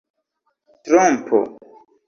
trompo